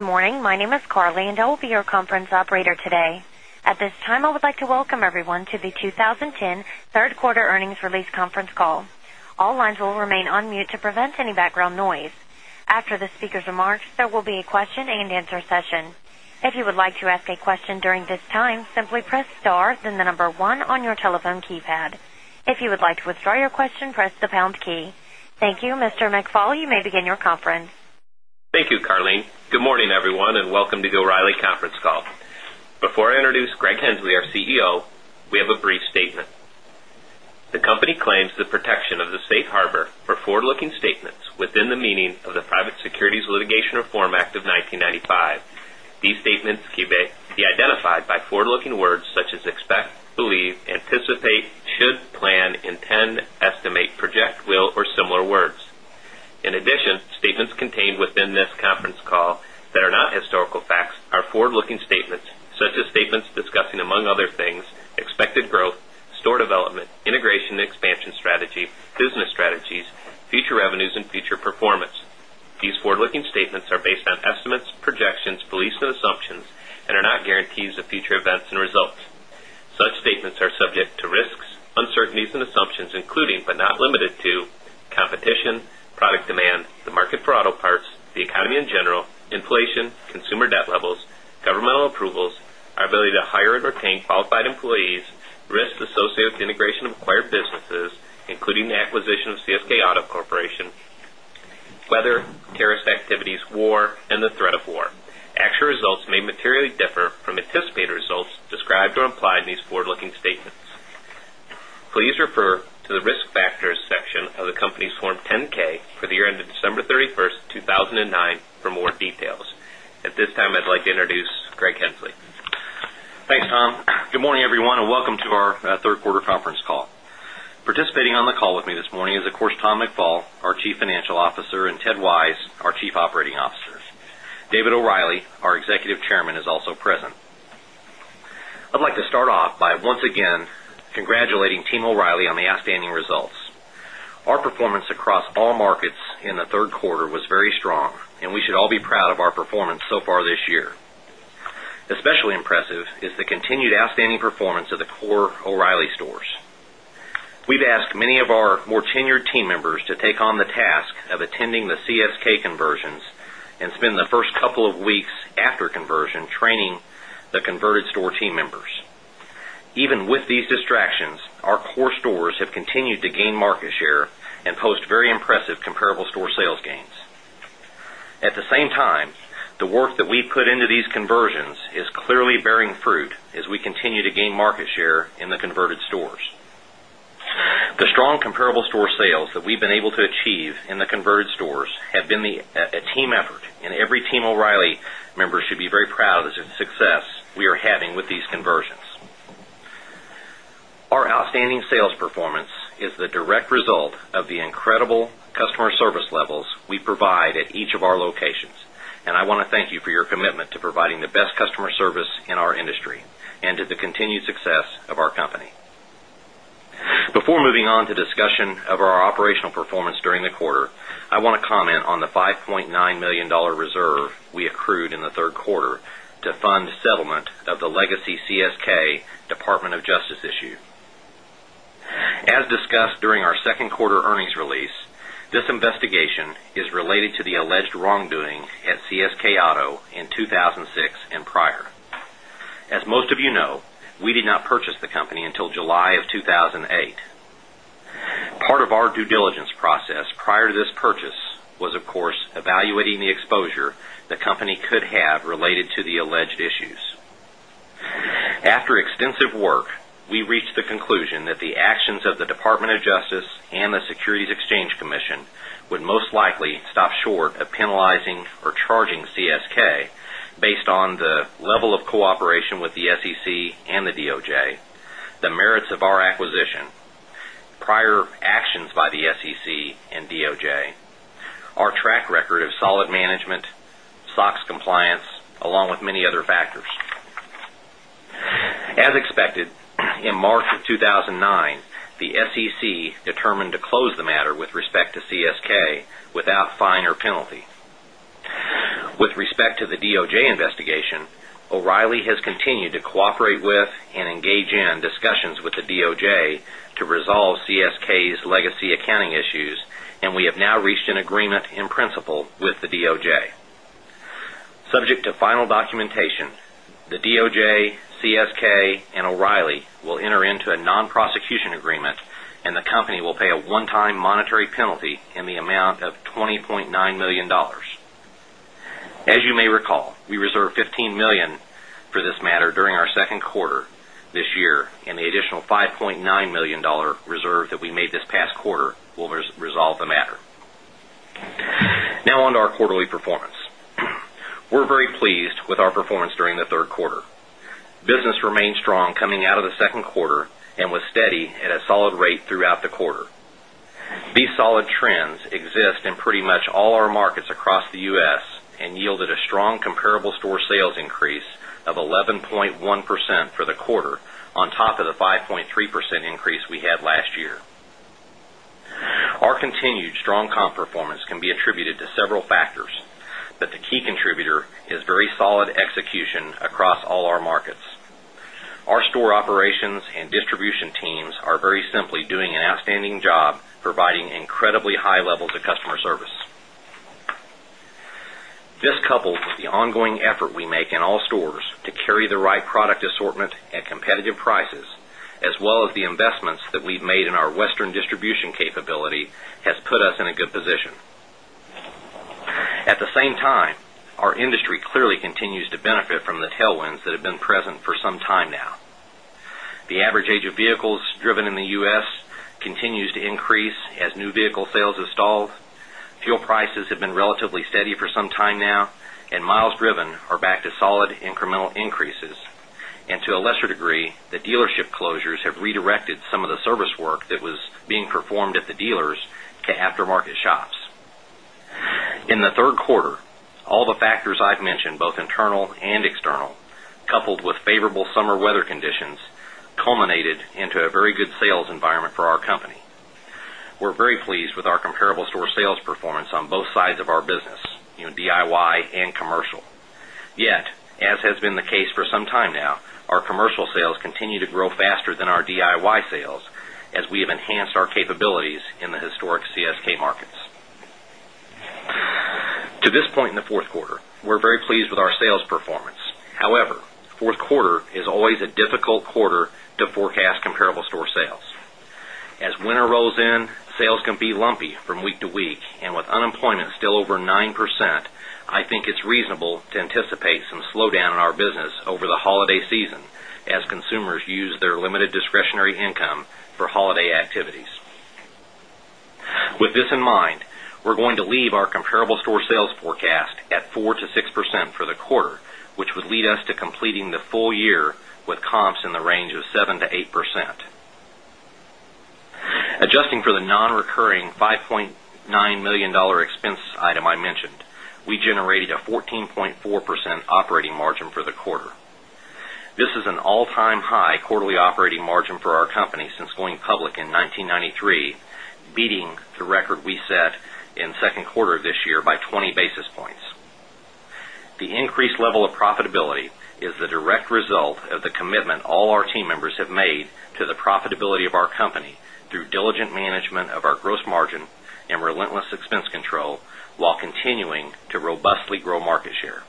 Good morning. My name is Carly, and I will be your conference operator today. At this time, I would like to welcome everyone to the 2010 Third Quarter Earnings Release Conference Call. Thank you. Mr. McFaul, you may begin your conference. Thank you, Carleen. Good morning, everyone, and welcome to the O'Reilly conference call. Before I introduce Greg Hensley, our CEO, we have a brief statement. The company claims the protection of the Safe Harbor for forward looking statements within the meaning of the Private Securities Litigation Reform Act of 1995. These statements can be identified by forward looking words such as expect, believe, anticipate, should, plan, intend, estimate, project, will or similar words. In addition, statements contained within this conference call that are not historical facts are forward looking statements such as statements discussing, among other things, expected growth, store development, integration and expansion strategy, business strategies, future revenues and future performance. These forward looking statements are based on estimates, projections, beliefs and assumptions and are not guarantees of future events and results. Such statements are subject to risks, uncertainties and assumptions, including but not limited to competition, product demand, the market for auto parts, the economy in general, inflation, consumer debt levels, governmental approvals, our ability to hire and retain qualified employees, risks associated with the integration of acquired businesses, including the acquisition of CSK Auto Corporation, weather, terrorist activities, war and the threat of war. Actual results may materially differ from anticipated results described or implied in these forward looking statements. Please refer to the Risk Factors section of the company's Form 10 ks for the year ended December 31, 2009 for more details. At this time, I'd like to introduce Greg Hensley. Thanks, Tom. Good morning, everyone, and welcome to our Q3 conference call. Participating on the call with me this morning is, of course, Tom McFall, our Chief Financial Officer and Ted Wise, our Chief Operating Officer. David O'Reilly, our Executive Chairman is also present. I'd like to start off by once again congratulating team O'Reilly on the outstanding results. Our performance across all markets in the Q3 was very strong and we should all be proud of our performance so far this year. Especially impressive is the continued outstanding performance of the core O'Reilly stores. We've asked many of our more tenured team members to take on the task of attending the CSK conversions and spend the 1st couple of weeks after conversion training the converted store team members. Even with these distractions, our core stores have continued to gain market share and post very impressive comparable store sales gains. At the same time, the work that we put into these conversions is clearly bearing fruit as we continue to gain market share in the converted stores. The strong comparable store sales that we've been able to achieve in the converted stores have been a team effort and every team O'Reilly member should be very proud of the success we are having with these conversions. Our outstanding sales performance is the direct result of the incredible customer service levels we provide at each of our locations, and I want to thank you for your commitment to providing the best customer service in our industry and to the continued success of our company. Before moving on to discussion of our operational performance during the quarter, I want to comment on the $5,900,000 reserve we accrued in the 3rd quarter to fund settlement of the legacy CSK Department of Justice issue. As discussed during our 2nd quarter earnings release, this investigation is related to the alleged wrongdoing at CSK Auto in 2006 prior. As most of you know, we did not purchase the company until July of 2,008. Part of our due diligence process prior to this purchase was, of course, evaluating the exposure the company could have related to the alleged issues. After extensive work, we reached the conclusion that the actions of the Department of Justice and the Securities Exchange Commission would most likely stop short of penalizing or charging CSK based on the level of cooperation with the SEC and the DOJ, the merits of our acquisition, prior actions by the SEC and DOJ, our track record of solid management, SOX compliance, along with many other factors. As expected, in March of 2 1009, the SEC determined to close the matter with respect to CSK without fine or penalty. With respect to the DOJ investigation, O'Reilly has continued to cooperate with and engage in discussions with the DOJ to resolve CSK's legacy accounting issues and we have now reached an agreement in principle with the DOJ. Subject to final documentation, the DOJ, CSK and O'Reilly will enter into a non prosecution agreement and the company will pay a one time monetary penalty in the amount of $20,900,000 As you may recall, we reserved $15,000,000 for this matter during our Q2 this year and the additional $5,900,000 reserve that we made this past quarter will resolve the matter. Now on to our quarterly performance. We're very pleased with our performance during the Q3. Business remained strong coming out of the Q2 and was steady at a solid rate throughout the quarter. These solid trends exist in pretty much all our markets across the U. S. And yielded a strong comparable store sales increase of 11.1% for the quarter on top of the 5.3% increase we had last year. Our continued strong comp performance can be attributed to several factors, but the key contributor is very solid execution across all our markets. Our store operations and distribution teams are very simply doing an outstanding job providing incredibly high levels of customer service. This coupled with the ongoing effort we make in all stores to carry the right product assortment at competitive prices as well as the investments that we've made in our Western distribution capability has put us in a good position. At the same time, our industry clearly continues to benefit from the tailwinds that have been present for some time now. The average age of vehicles driven in the U. S. Continues to increase as new vehicle sales install, fuel prices have been relatively steady for some time now and miles driven are back to solid incremental increases. And to a lesser degree, the dealership closures have redirected some of the service work that was being performed at the dealers to aftermarket shops. In the Q3, all the factors I've mentioned both internal and external coupled with favorable summer weather conditions culminated into a very good sales environment for our company. We're very pleased with our comparable store sales performance on both sides of our business, DIY and commercial. Yet, as has been the case for some time now, our commercial sales continue to grow faster than our DIY sales as we have enhanced our capabilities in the historic CSK markets. To this point in the Q4, we're very pleased with our sales performance. However, Q4 is always a difficult quarter to forecast comparable store sales. As winter rolls in, sales can be lumpy from week to week and with unemployment still over 9%, I think it's reasonable to anticipate some slowdown in our business over the holiday season as consumers use their limited discretionary income for holiday activities. With this in mind, we're going to leave our comparable store sales forecast at 4% to 6% for the quarter, which would lead us to completing the full year with comps in the range of 7% to 8%. Adjusting for the non recurring $5,900,000 expense item I mentioned, we generated a 14.4% operating margin for the quarter. This is an all time high quarterly operating margin for our company since going public in 1993, beating the record we set in Q2 of this year by 20 basis points. The increased level of profitability is the direct result of the commitment all our team members have made to the profitability of our company through diligent management of our gross margin and relentless expense control, while continuing to robustly grow market share.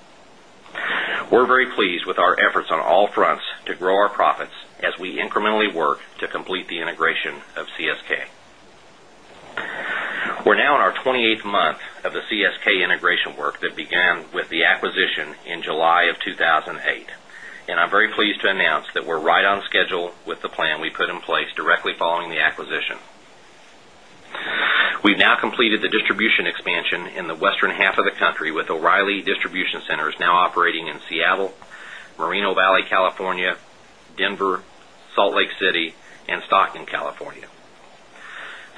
We're very pleased with our efforts on all fronts to grow our profits as we incrementally work to complete the integration of CSK. We're now in our 28th month of the CSK integration work that began with the acquisition in July of 2,008. And I'm very pleased to announce that we're right on schedule with the plan we put in place directly following the acquisition. We've now completed the distribution expansion in the western half of the country with O'Reilly Distribution Centers now operating in Seattle, Moreno Valley, California, Denver, Salt Lake City and Stockton, California.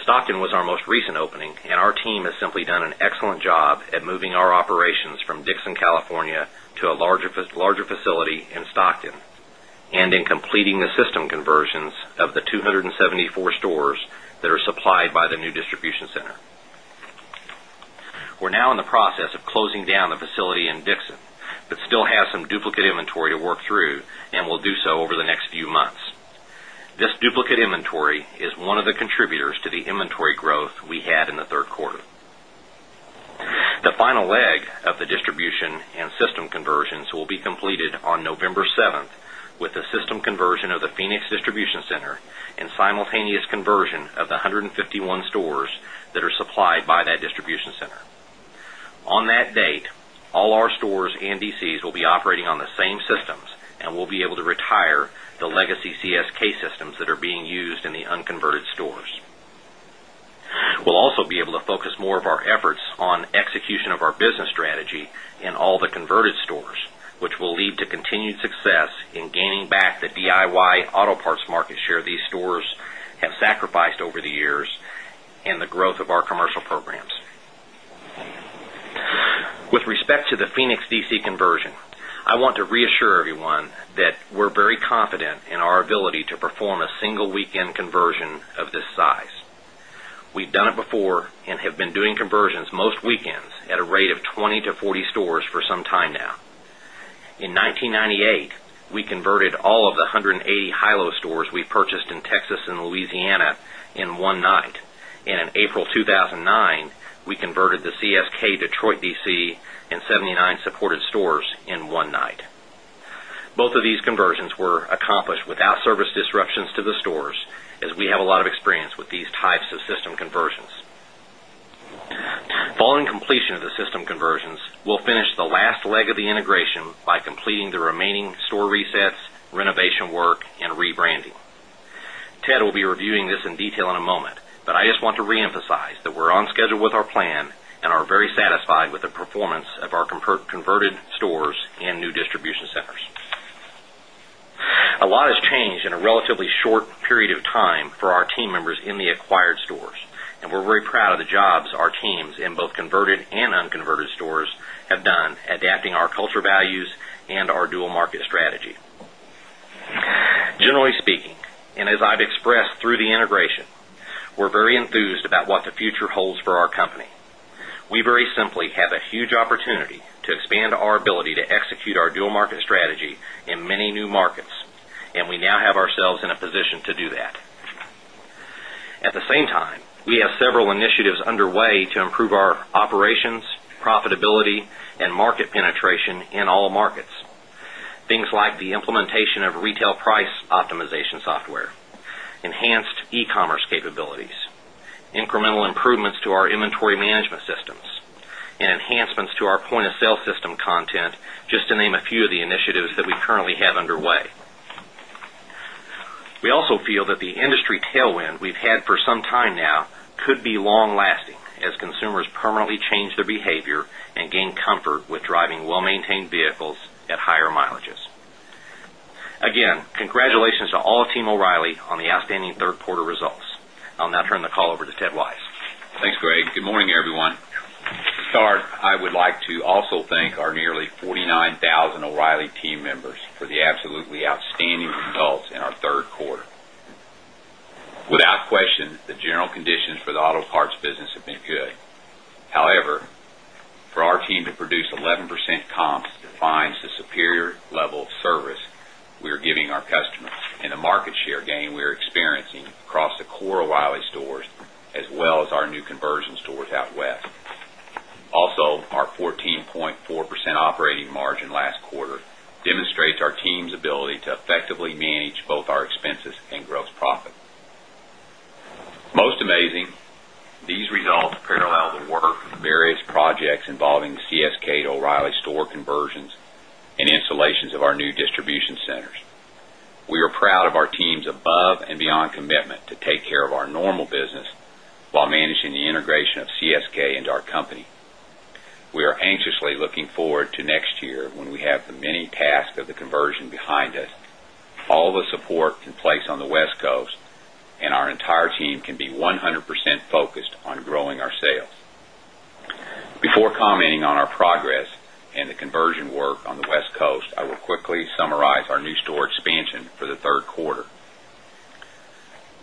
Stockton was our most recent opening and our team has simply done an excellent job at moving our operations from Dixon, California to a larger facility in Stockton and in completing the system conversions of the 274 stores that are supplied by the new distribution center. We're now in the process of closing down the facility in Dixon, but still have some duplicate inventory to work through and will do so over the next few months. This duplicate inventory is one of the contributors to the inventory growth we had in the Q3. The final leg of the distribution and system conversions will be completed on November 7 with the system conversion of the Phoenix distribution center and simultaneous conversion of the 151 stores that are supplied by that distribution center. On that date, all our stores and DCs will be operating on the same systems and we'll be able to retire the legacy CSK systems that are being used in the unconverted stores. We'll also be able to focus more of our efforts on execution of our business strategy in all the converted stores, which will lead to continued in gaining back the DIY auto parts market share these stores have sacrificed over the years and the growth of our commercial programs. With respect to the Phoenix DC conversion, I want to reassure everyone that we're very confident in our ability to perform a single weekend conversion of this size. We've done it before and have been doing conversions most weekends at a rate of 20 to 40 stores for some time now. In 1998, we converted all of the 180 high low stores we purchased in Texas and Louisiana in 1 night. And in April 2,009, we converted the CSK Detroit DC and 79 supported stores in one night. Both of these conversions were accomplished without service disruptions to the stores as we have a lot of experience with these types of system conversions. Following completion of the system conversions, we'll finish the last leg of the integration by completing the remaining store resets, renovation work and rebranding. Ted will be reviewing this in detail in a moment, but I just want to reemphasize that we're on schedule with our plan and are very satisfied with the performance of our converted stores and new distribution centers. A lot has changed in a relatively short period of time for our team members in the acquired stores, and we're very proud of the jobs our teams in both converted and unconverted stores have done adapting our culture values and our dual market strategy. Generally speaking, and as I've expressed through the integration, we're very enthused about what the future holds for our company. We very simply have a huge opportunity to expand our ability to execute our dual market strategy in many new markets and we now have ourselves in a position to do that. At the same time, we have several initiatives underway to improve our operations, profitability and market penetration in all markets. Things like the implementation of retail price optimization software, enhanced e commerce capabilities, incremental improvements to our inventory management systems and enhancements to our point of sale system content, just to name a few of the initiatives that we currently have underway. We also feel that the industry tailwind we've had for some time now could be long lasting as consumers permanently change their behavior and gain comfort with driving well maintained vehicles at higher mileages. Again, congratulations to all of team O'Reilly on the outstanding third quarter results. I'll now turn the call over to Ted Wise. Thanks, Greg. Good morning, everyone. To start, I would like to also thank our nearly 49,000 O'Reilly team members for the absolutely outstanding results in our Q3. Without question, the general conditions for the auto parts business have been good. However, for our team to produce 11% comps defines the superior level of service we are giving our customers and the market share gain we are experiencing across the core O'Reilly stores as well as our new conversion stores out west. Also, our 14.4% operating margin last quarter demonstrates our team's ability to effectively manage both our expenses and gross profit. Most amazing, these results parallel the work of various projects involving CSK to O'Reilly store conversions and installations of our new distribution centers. We are proud of our teams above and beyond commitment to take care of our normal business, while managing the integration of CSK into our company. We are anxiously looking forward to next year when we have the many tasks of the conversion behind us, all the support in place on the West Coast and our entire team can be 100% focused on growing our sales. Before commenting on our progress and the conversion work on the West Coast, I will quickly summarize our new store expansion for the Q3.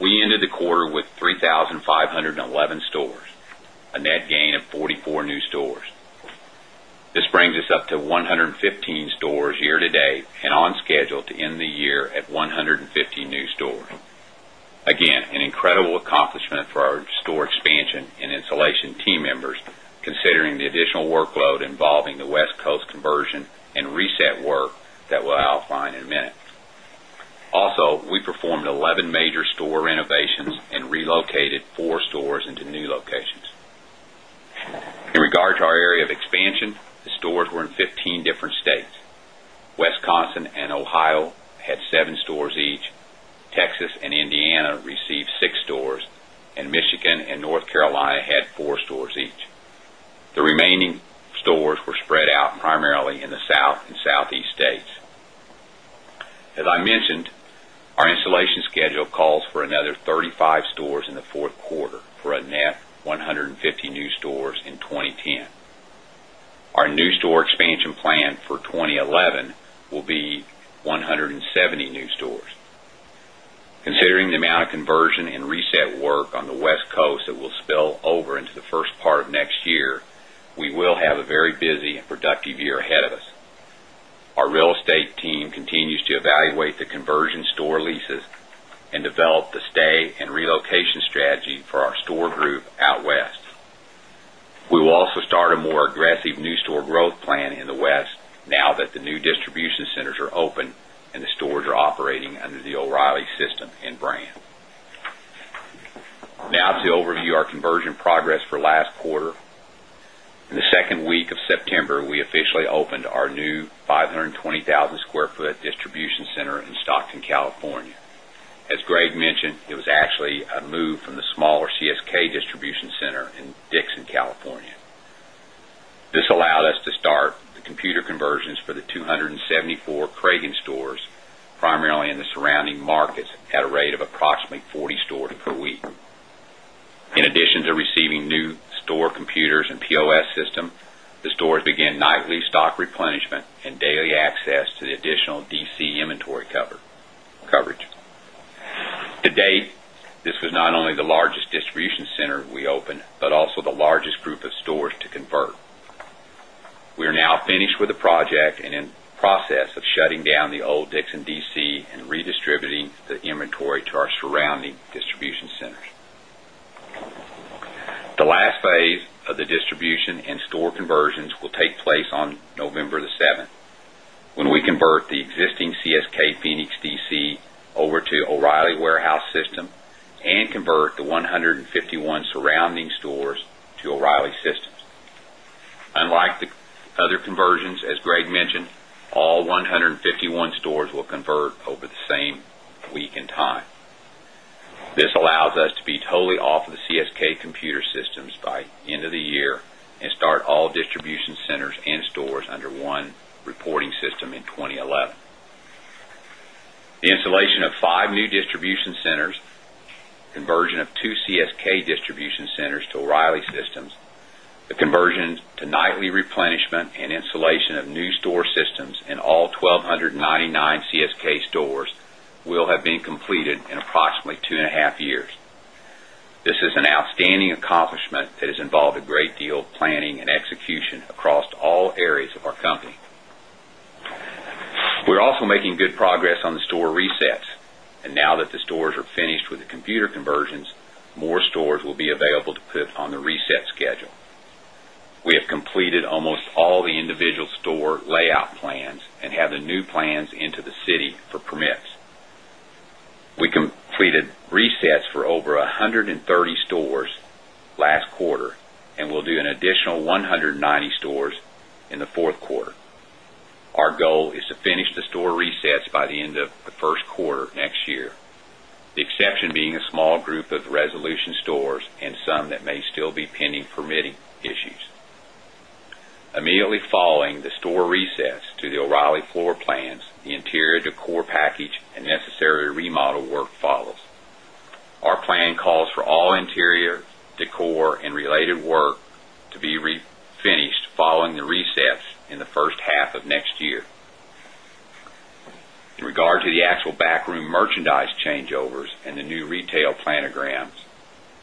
We ended the quarter with 3,511 stores, a net gain of 44 new stores. This brings us up to 115 stores year to date and on schedule to end the year at 150 new stores. Again, an incredible accomplishment for our store expansion and installation team members considering the additional workload involving the West Coast conversion and reset work that we'll outline in a minute. Also, we performed 11 major store renovations and relocated 4 stores into new locations. In regard to our area of expansion, the stores were in 15 different states. Wisconsin and Ohio had 7 stores each, Texas and Indiana received 6 stores, and Michigan and North Carolina had 4 stores each. The remaining stores were spread out primarily in the South and Southeast states. As I mentioned, our installation schedule calls for another 35 stores in the Q4 for a net 150 new stores in 2010. Our new store expansion plan for 2011 will be 170 new stores. Considering the amount of conversion and reset work on the West Coast that will spill over into the 1st part of next year, we will have a very busy and productive year ahead of us. Our real estate team continues to evaluate the conversion store leases and develop the stay and relocation strategy for our store group out West. We will also start a more aggressive new store growth plan in the West now that the new distribution centers are open the stores are operating under the O'Reilly system and brand. Now to overview our conversion progress for last quarter. In the 2nd week of September, we officially opened our new 520,000 square foot distribution center in Stockton, California. As Greg mentioned, it was actually a move from the smaller CSK distribution center in Dixon, California. This allowed us to start the computer conversions for the 274 Kratian stores, primarily in the surrounding markets at a rate of approximately 40 stores per week. In addition to receiving new store computers and POS system, the stores began nightly stock replenishment and daily access to the additional DC inventory coverage. To date, this was not only the largest distribution center we opened, but also the largest group of stores to convert. We are now finished with the project and in process of shutting down the old Dixon DC and redistributing the inventory to our surrounding distribution centers. The last phase of the distribution and store conversions will take place on November 7. When we convert the existing CSK Phoenix DC over to O'Reilly warehouse system and convert the 151 surrounding stores to O'Reilly systems. Unlike the other conversions, as Greg mentioned, all 151 stores will convert over the same week and time. This allows us to be totally off of the CSK computer systems by end of the year and start all distribution centers and stores under one reporting system in 20 11. The installation of 5 new distribution centers, conversion of 2 CSK distribution centers to O'Reilly systems, the conversion to nightly replenishment and installation of new store systems in all 1299 CSK stores will have been completed in approximately 2.5 years. This is an outstanding accomplishment that has involved a great deal of planning and execution across all areas of our company. We're also making good progress on the store resets. We're also making good progress on the store resets and now that the stores are finished with the computer conversions, more stores will be available to put on the reset schedule. We have completed almost all the individual store layout plans and have the new plans into the city for permits. We completed resets for over 130 stores last quarter and we'll do an additional 190 stores in the Q4. Our goal is to finish the store resets by the end of the Q1 of next year, the exception being a small group of resolution stores and some that may still be pending permitting issues. Immediately following the store resets to the O'Reilly floor plans, the interior decor package necessary remodel work follows. Our plan calls for all interior decor and related work to be finished following the resets in the first half of next year. In regard to the actual backroom merchandise changeovers and the new retail planograms,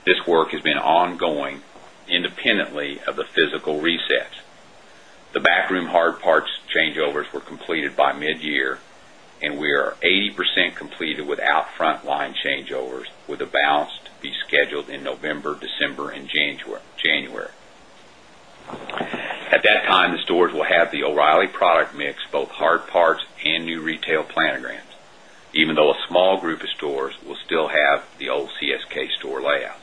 this work has been ongoing independently of the physical resets. Backroom hard parts changeovers were completed by mid year and we are 80% completed without frontline changeovers with a balance to be scheduled in November, December and January. At that time, the stores will have the O'Reilly product mix both hard parts and new retail planograms, even though a small group of stores will still have the old CSK store layout.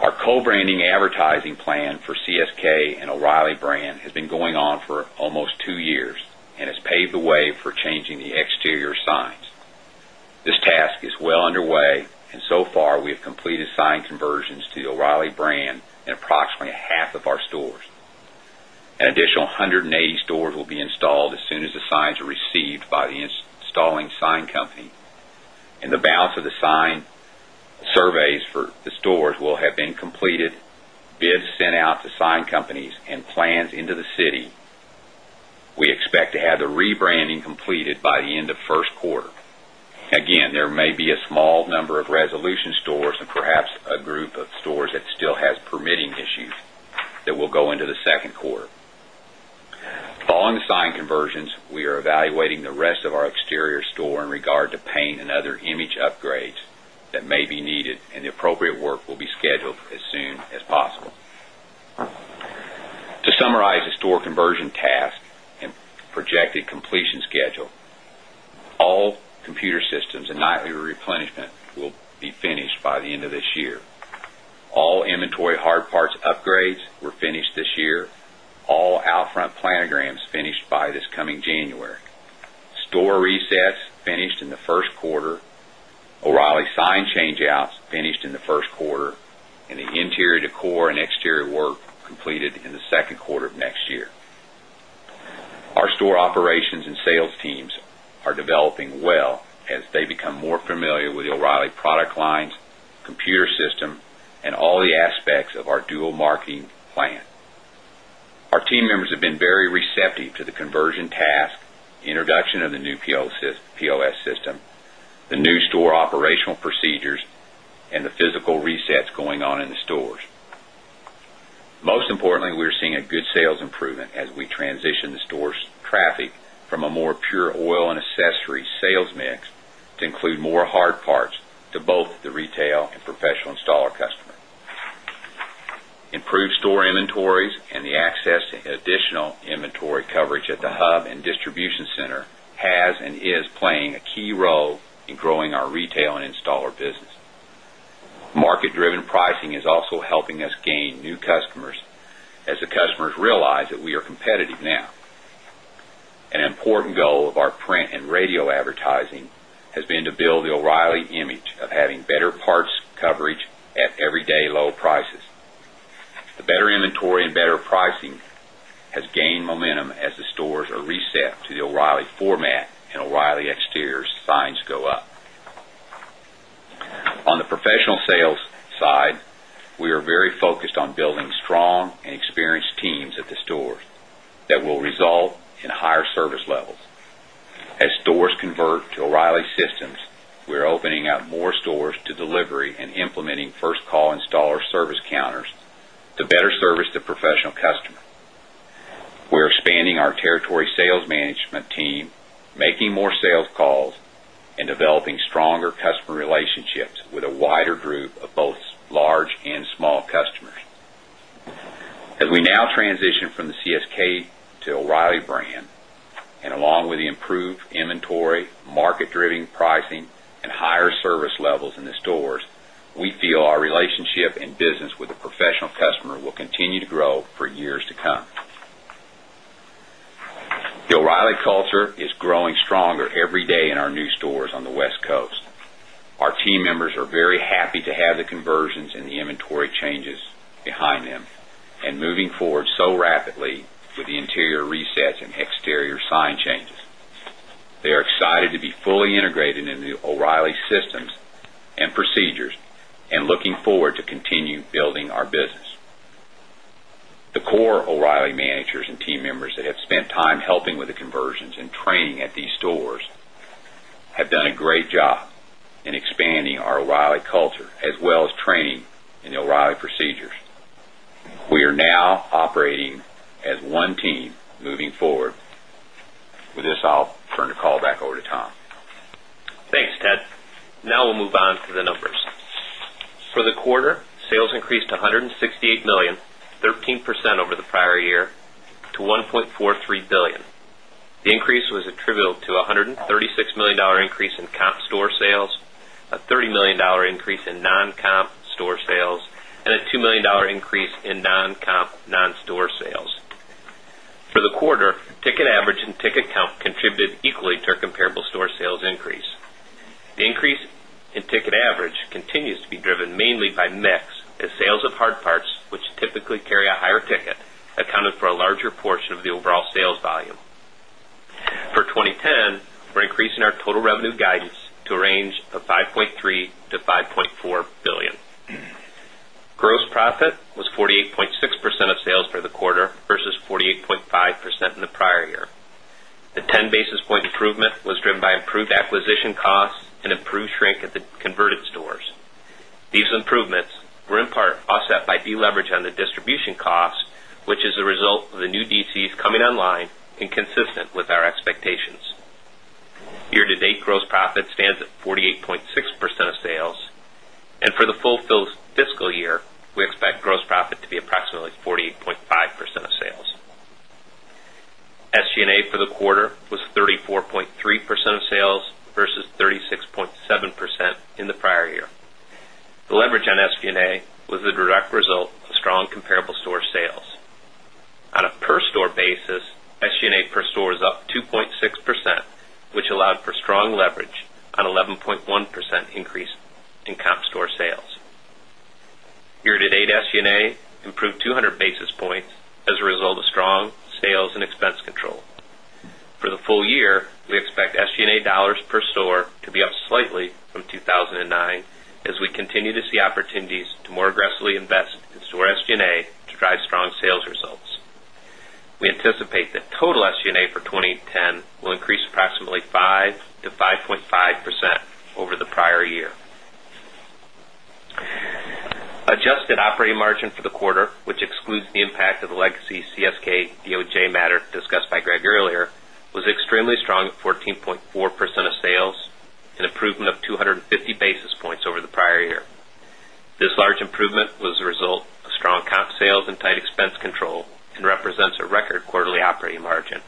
Our co branding advertising plan for CSK and O'Reilly brand has been going on for almost 2 years and has paved the way for changing the exterior signs. This task is well underway and so far we have completed sign conversions to the O'Reilly brand in approximately half of our stores. An additional 180 stores will be installed as soon as the signs are received by the installing sign company. And the balance of the sign surveys for the stores will have been completed, bids sent out to sign companies and plans into the city. We expect to have the rebranding completed by the end of Q1. Again, there may be a small number of resolution stores and perhaps a group of stores that still has permitting issues that will go into the Q2. Following the signed conversions, we are evaluating the rest of exterior store in regard to paint and other image upgrades that may be needed and the appropriate work will be scheduled as soon as possible. To summarize the store conversion task and projected completion schedule, All computer systems and nightly replenishment will be finished by the end of this year. All inventory hard parts upgrades were finished this year. All out front planograms finished by this coming January. Store resets finished in the Q1, O'Reilly sign change outs finished in the Q1 and the interior decor and exterior work completed in the Q2 of next year. Our store operations and sales teams are developing well as they become more familiar with the O'Reilly product lines, computer system and all the aspects of our dual marketing plan. Our team members have been very receptive to the conversion task, introduction of the new POS system, the new store operational procedures and the physical resets going on in the stores. Most importantly, we are seeing a good sales improvement as we transition the stores traffic from a more pure oil and accessories sales mix to include more hard parts to both the retail and professional installer customer. Improved store inventories and the access to additional inventory coverage at the hub and distribution center has and is playing a key role in growing our retail and installer business. Market driven pricing is also helping us gain new customers as the customers realize that we are competitive now. An important goal of our print and radio advertising has been to build the O'Reilly image of having better parts coverage at everyday low prices. The better inventory and better pricing has gained momentum as the stores are reset to the O'Reilly format and O'Reilly exterior signs go up. On the professional sales side, we are very focused on building strong and experienced teams at the store that will result in higher service levels. As stores convert to O'Reilly systems, we're opening up more stores to delivery and implementing 1st call installer service counters to better service the professional customer. We're expanding our territory sales management team, making more sales calls and developing stronger customer relationships with a wider group of both large and small customers. As we now transition from the CSK to O'Reilly brand and along with the improved inventory, market driven pricing and higher service levels in the stores, we feel our relationship and business with a professional customer will continue to grow for years to come. Bill Riley culture is growing stronger every day in our new stores on the West Coast. Our team members are very happy to have the conversions and the inventory changes behind them and moving forward so rapidly with the interior resets and exterior sign changes. They are excited to be full and exterior sign changes. They are excited to be fully integrated in the O'Reilly systems and procedures and looking forward to continue building our business. The core O'Reilly managers and team members that have spent time helping with the conversions and training at these stores have done a great job in expanding our O'Reilly culture as well as training in the O'Reilly procedures. We are now operating as one team moving forward. With this, I'll turn the call back over to Tom. Thanks, Ted. Now, we'll move on to the numbers. For the quarter, sales increased to $168,000,000 13% over the prior year to $1,430,000,000 The increase was attributable to $136,000,000 increase in comp store sales, a $30,000,000 increase in non comp store sales and a $2,000,000 increase in non comp non store sales. For the quarter, ticket average and ticket count contributed equally to our comparable store sales increase. The increase in ticket average continues to be driven mainly by mix as sales of hard parts, which typically carry a higher ticket accounted for a larger portion of the overall sales volume. For 2010, we're increasing our total revenue guidance to a range of $5,300,000,000 to $5,400,000,000 Gross profit was 48.6 percent of sales for the quarter versus 48 point 5% in the prior year. The 10 basis point improvement was driven by improved acquisition costs and improved shrink at the converted stores. These improvements were in part offset by deleverage on the distribution costs, which is a result of the new DCs coming online and consistent with our expectations. Year to date gross profit stands at 48.6 percent of sales and for the full fiscal year, we expect gross profit to be approximately 48.5 percent of sales. SG and A for the quarter was 34.3% of sales versus 36.7% in the prior year. The leverage on SG and A was the direct result of strong comparable store sales. On a per store basis, SG and A per store is up 2.6%, which allowed for strong leverage on 11.1% increase in comp store sales. Year to date SG and A improved 200 basis points as a result of strong sales and expense control. For the full year, we expect SG and A dollars per store to be up slightly from 2,009 as we continue to see opportunities to more aggressively invest in store SG and A to drive strong sales results. We anticipate that total SG and A for 20.10 will increase approximately 5% to 5.5% over the prior year. Adjusted operating margin for the quarter, which excludes the impact of the legacy CSK DOJ matter discussed by Greg earlier, was extremely strong at 14.4 percent of sales, an improvement of 2 50 basis points over the prior year. This large improvement was a result of strong comp sales and tight expense control and represents a record quarterly operating margin.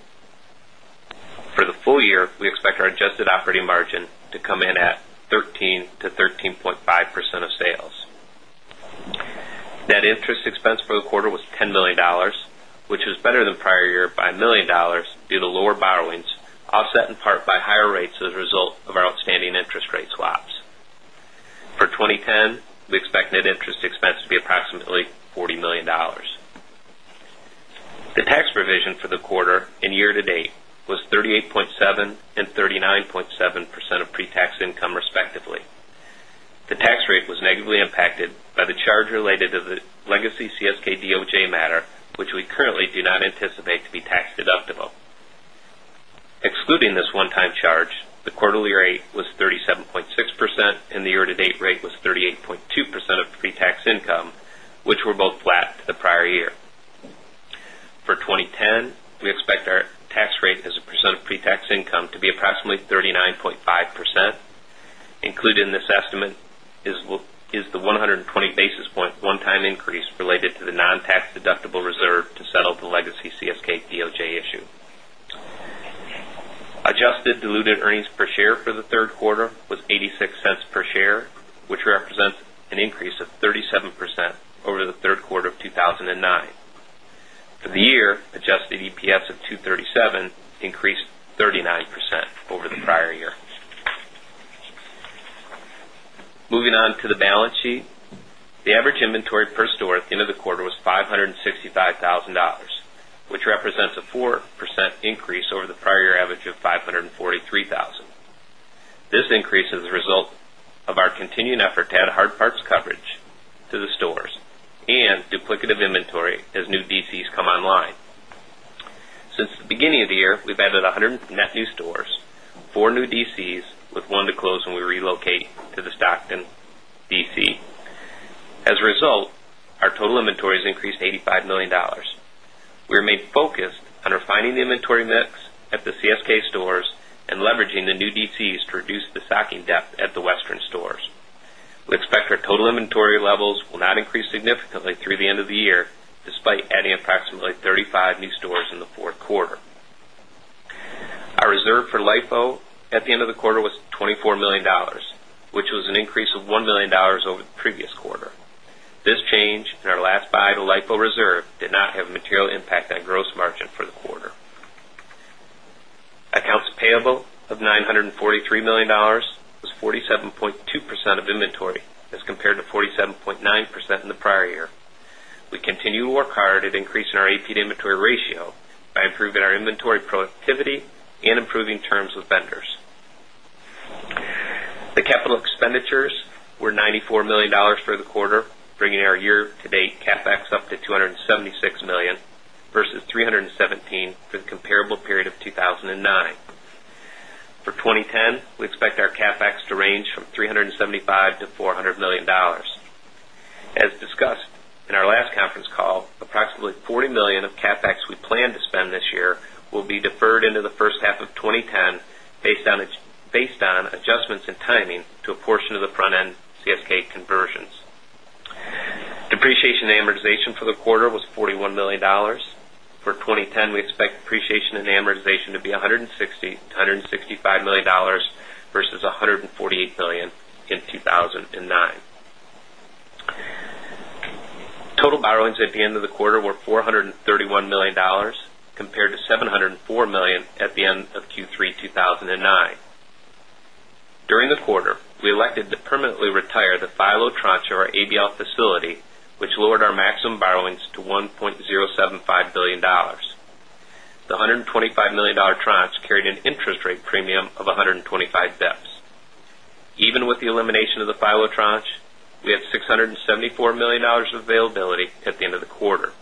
For the full year, we expect our adjusted operating margin to come in at 13% to 13.5 percent of sales. Net interest expense for the quarter was $10,000,000 which was better than prior year by $1,000,000 due to lower borrowings in part by higher rates as a result of our outstanding interest rate swaps. For 2010, we expect net interest expense to be approximately $40,000,000 The tax provision for the quarter and year to date was 38.7 percent and 39.7 percent of pre tax income respectively. The tax rate was negatively impacted by the charge related to the legacy CSK DOJ matter, which we currently do not anticipate to be tax deductible. Excluding this one time charge, the quarterly rate was 37.6 percent and the year to date rate was 38.2 percent of pre tax income, which were both flat to the prior year. For 20 10, we expect our tax rate as a percent of pre tax income to be approximately 39.5 percent. Included in this estimate is the 120 basis point one time increase related to the non tax deductible reserve to settle the legacy CSK DOJ issue. Adjusted diluted earnings per share for the Q3 was $0.86 per share, which represents an increase of 37% over the Q3 of 2 1009. For the year, adjusted EPS of $2.37 increased 39% over the prior year. Moving on to the balance sheet, the average inventory per store at the end of the quarter was $565,000 which represents a 4% increase over the prior year average of $543,000 This increase is a result of our continuing effort to add hard parts coverage to the stores duplicative inventory as new DCs come online. Since the beginning of the year, we've added 100 net new stores, 4 new DCs with one to close when we relocate to the Stockton DC. As a result, our total inventories increased $85,000,000 We remain focused on refining the inventory mix at the CSK stores and leveraging the new DCs to reduce the stocking depth at the Western stores. We expect our total inventory levels will not increase significantly through the end of the year despite adding approximately 35 new stores in the 4th quarter. Our reserve for LIFO at the end of the quarter was 24 $1,000,000 which was an increase of $1,000,000 over the previous quarter. This change in our last buy to LIFO reserve did not have a material impact on gross margin for the quarter. Accounts payable of $943,000,000 was 47 0.2 percent of inventory as compared to 47.9 percent in the prior year. We continue to work hard at increasing our AP to inventory ratio by improving our inventory productivity and improving terms with vendors. The capital expenditures were $94,000,000 for the quarter bringing our year to date CapEx up to $276,000,000 versus $317,000,000 for the comparable period of 2,009. For 2010, we expect our CapEx 10, we expect our CapEx to range from $375,000,000 to $400,000,000 As discussed in our last conference call, approximately $40,000,000 of CapEx we plan to spend this year will be deferred into the first half of twenty 10 based on adjustments and timing to a portion of the front end CSK conversions. Depreciation and amortization for the quarter was $41,000,000 For 2010, we expect depreciation and amortization to be $160,000,000 to $165,000,000 versus $148,000,000 in 2,009. Total borrowings at the end of the quarter were $431,000,000 compared to $704,000,000 at the end of Q3, 2009. During the quarter, we elected to permanently retire the FILO tranche of our ABL facility, which lowered our maximum borrowings to 1.07 $5,000,000,000 The $125,000,000 tranche carried an interest rate premium of 125 bps. Even with the elimination of the FILO tranche, we had $674,000,000 of availability at the end of the quarter.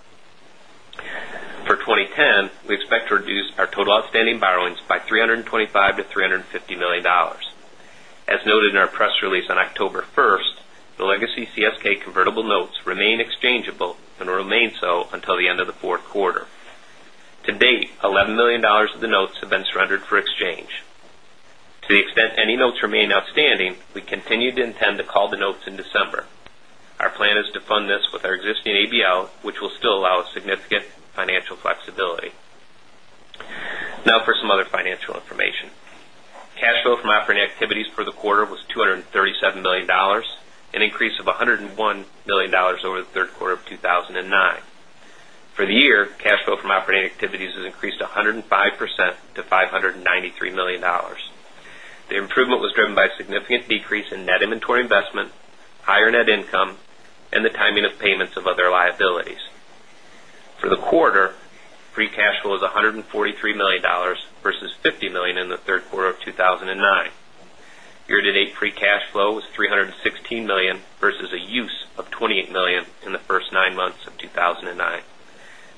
For 10, we expect to reduce our total outstanding borrowings by $325,000,000 to $350,000,000 As noted in our press release on October 1, the legacy CSK convertible notes remain exchangeable so until the end of Q4. To date, dollars 11,000,000 of the notes have been surrendered for exchange. To the extent any notes remain outstanding, we continue to intend to call the notes in December. Our plan is to fund this with our existing ABL, which will still allow significant financial flexibility. Now for some other financial information. Cash flow from operating activities for the quarter was $237,000,000 an increase of 101,000,000 dollars over the Q3 of 2009. For the year, cash flow from operating activities has increased 105 percent to $593,000,000 The improvement was driven by significant decrease in net inventory investment, higher net income, and the timing of payments of other liabilities. For the quarter, free cash flow was $143,000,000 versus $50,000,000 in the Q3 of 2009. Year to date free cash flow was 316,000,000 versus a use of 28,000,000 in the 1st 9 months of 2,009.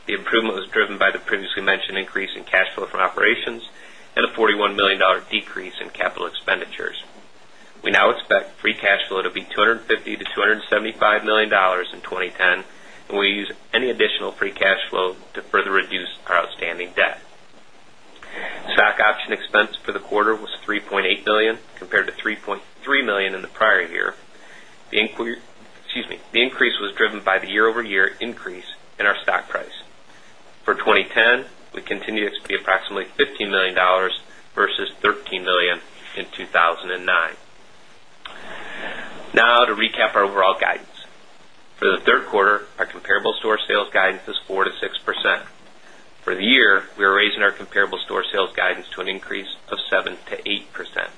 The improvement was driven by the previously mentioned increase in cash flow from operations and a $41,000,000 decrease in capital expenditures. We now free cash flow to be $250,000,000 to $275,000,000 in 2010 and we use any additional free cash flow to further reduce our outstanding debt. Stock option expense for the quarter was $3,800,000,000 compared to $3,300,000 in the prior year. The increase was driven by the year over year increase in our stock price. For 2010, we continue to see approximately $15,000,000 versus $13,000,000 in 2,009. Now to recap our our overall guidance. For the Q3, our comparable store sales guidance is 4% to 6%. For the year, we are raising our comparable store sales guidance to an increase of 7% to 8%.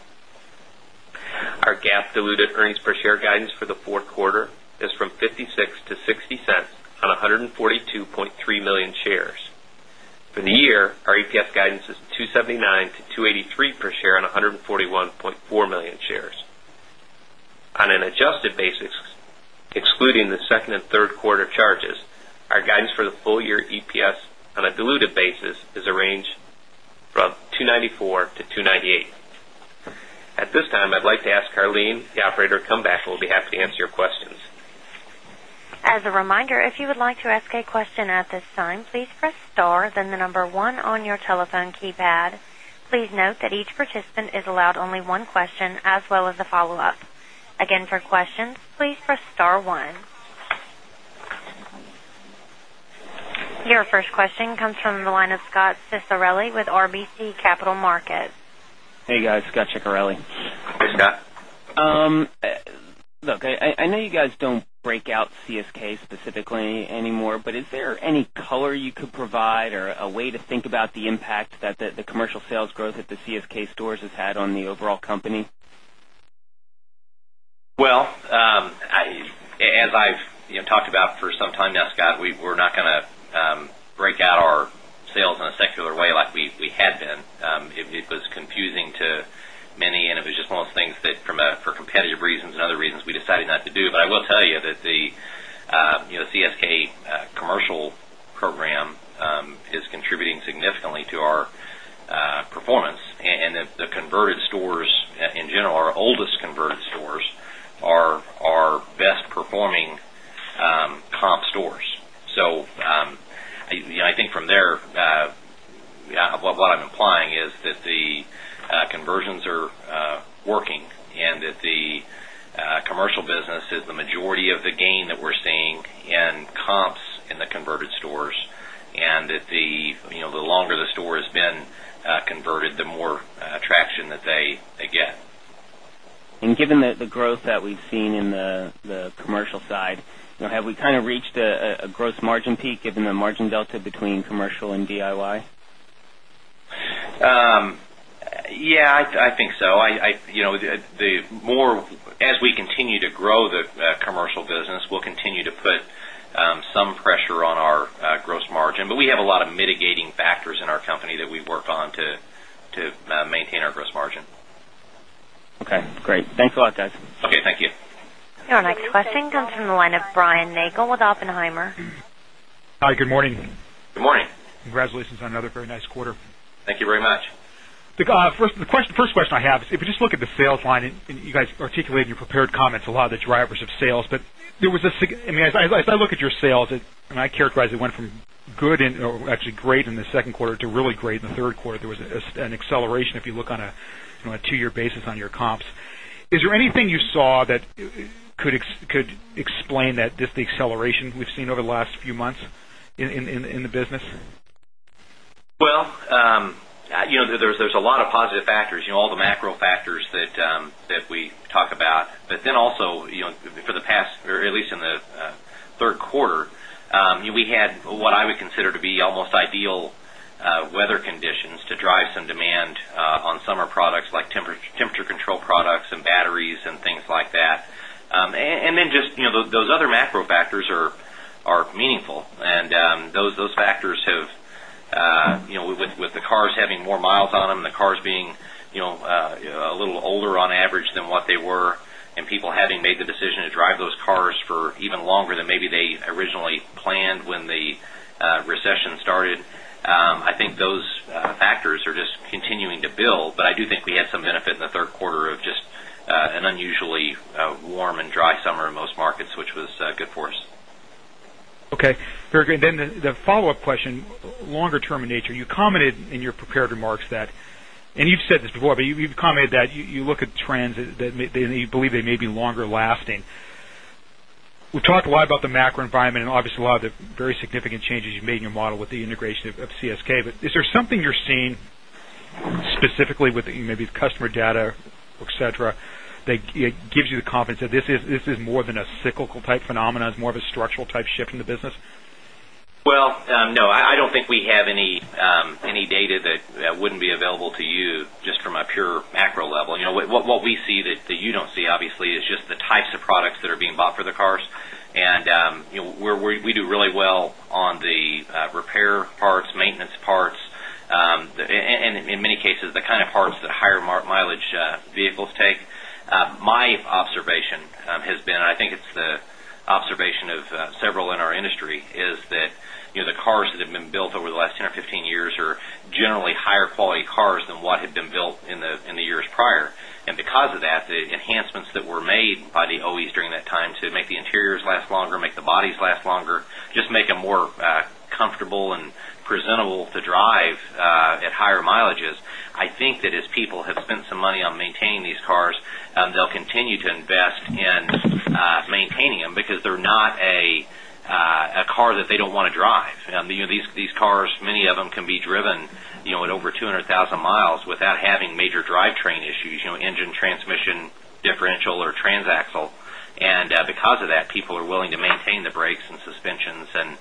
Our GAAP diluted earnings per share guidance for the 4th quarter is from $0.56 to $0.60 on 142,300,000 shares. For the year, our EPS guidance is $2.79 to $2.83 per share on 141,400,000 shares. On an adjusted basis, excluding the 2nd and third quarter charges, our guidance for the full year EPS on a diluted basis is a range from $2.94 to $2.98 At this time, I'd like to ask Karleen, the operator to come back and we'll be happy to answer your questions. Hey, guys. Scot Ciccarelli. Hey, Scot. Look, I know you guys don't break out CSK specifically anymore, but is there any color you could provide or a way to think about the impact that the commercial sales growth at the CSK stores has had on the overall company? Well, as I've talked about for some time now, Scott, we were not going to break out our sales in a secular way like we had been. It was confusing to many, and it was just one of those things that for competitive reasons and other reasons we decided not to do. But I will tell you that the CSK commercial program is contributing significantly to our performance. And the converted stores, in general, our oldest converted stores are our best performing comp stores. So I think from there, what I'm implying is that the conversions are working and that the commercial business is the majority of the gain that we're seeing in comps in the converted stores and that the longer the store has been converted, the more traction that they get. And given the growth that we've seen in the commercial side, have we kind of reached a gross margin peak given the margin delta between commercial and DIY? Yes, I think so. The more as we continue to grow the commercial business, we'll continue to put some pressure on our gross margin. But we have a lot of mitigating factors in our company that we work on to maintain our gross margin. Okay, great. Thanks a lot, guys. Okay, thank you. Your next question comes from the line of Brian Nagel with Oppenheimer. Hi. Good morning. Good morning. Congratulations on another very nice quarter. Thank you very much. The first question I have is, if you just look at the sales line and you guys articulated in your prepared comments a lot of the drivers of sales, but there was mean as I look at your sales and I characterize it went from good and actually great in the Q2 to really great in the Q3. There was an acceleration if you look on a 2 year basis on your comps. Is there anything you saw that could explain that this acceleration we've seen over the last few months in the business? Well, there's a lot of positive factors, all the macro factors that we talk about. But then also for the past or at least in the Q3, we had what I would consider to be almost ideal weather conditions to drive some demand on summer products like temperature control products and batteries and things like that. And then just those other macro factors are meaningful. And those factors have with the cars having more miles on them, the cars being a little older on average than what they were and people having made the decision to drive those cars for even longer than maybe they originally planned when the recession started. I think those factors are just continuing to build, but I do think we had some benefit in the Q3 of just an unusually warm and dry summer in most markets, which was good for us. Okay. Very good. Then the follow-up question, longer term in nature, you commented in your prepared remarks that and you've said this before, but you've commented that you look at trends that you believe they may be longer lasting. We talked a lot about the macro environment and obviously a lot of the very significant changes you made in your model with the integration of CSK. But is there something you're seeing specifically with maybe customer data, etcetera, that gives you the confidence that this is more than a cyclical type phenomenon, it's more of a structural type shift in the business? Well, no, I don't think we have any data that wouldn't be available to you just from a pure macro level. What we see that you don't see obviously is just the types of products that are being bought for the cars. And we do really well on the repair parts, maintenance parts, and in many cases, the kind of parts that higher mileage vehicles take. My observation has been, I think it's the observation of several in our industry is that the cars that have been built over the last 10 or 15 years are generally higher quality cars than what had been built in the years prior. And because of that, the enhancements that were made by the OEs during that time to make the interiors last longer, make the bodies last longer, just make them more comfortable and presentable to drive at higher mileages. I think that as people have spent some money on maintaining these cars, they'll continue to invest in maintaining them because they're not a car that they don't want to drive. These cars, many of them can be driven at over 200 1,000 miles without having major drivetrain issues, engine transmission differential or transaxle. And because of that, people are willing to maintain the brakes and suspensions and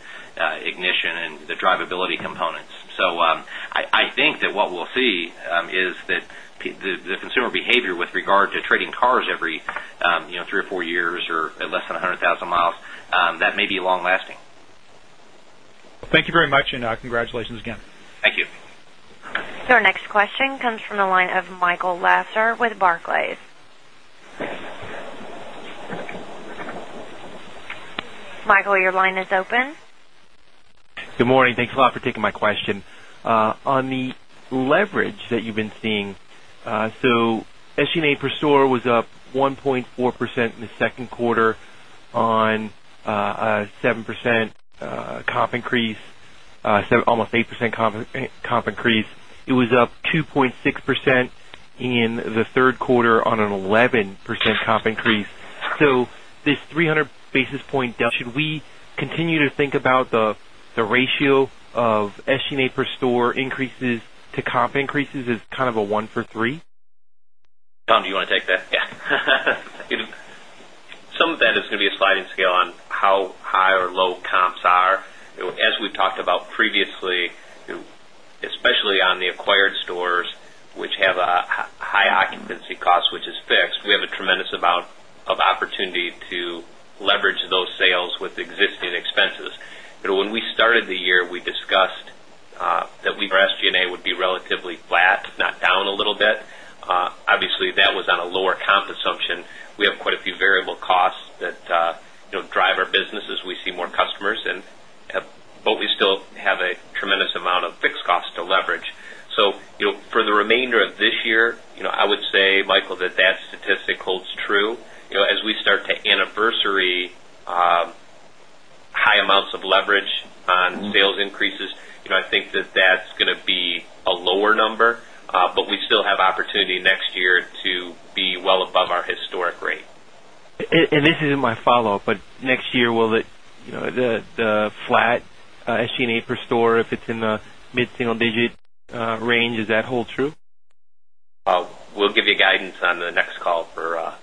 ignition and the drivability components. So I think that what we'll see is that the consumer behavior with regard to trading cars every 3 or 4 years or less than 100,000 miles, that may be long lasting. Thank you very much and congratulations again. Thank you. Your next question comes from the line of Michael Lasser with Barclays. Michael, your line is open. Good morning. Thanks a lot for taking my question. On the leverage that you've been seeing, so SG and A per store was up 1.4% in the 2nd quarter on 7% comp increase, almost 8% comp increase. It was up 2.6% in the percent in the 3rd quarter on an 11% comp increase. So this 300 basis point should we continue to think about the ratio of SG and A per store increases to comp increases is kind of a one for 3? Tom, do you want to take that? Yes. Some of that is going to be a sliding scale on how high or low comps are. As we've talked about previously, especially on the acquired stores, which have a high occupancy on the acquired stores, which have a high occupancy cost, which is fixed, we have a tremendous amount of opportunity to leverage those sales with existing expenses. When we started the year, we discussed that SG and A would be relatively flat, not down a little bit. Obviously, that was on a lower comp assumption. We have quite a few variable costs that drive our businesses. We see more customers and but we little bit more amounts of leverage on sales increases, I think that that's going to be a lower number, but we still have opportunity next year to be well above our historic rate. And this is my follow-up, but next year will the flat SG and A per store if it's in the mid single digit range, does that hold true? We'll give you guidance on the next call for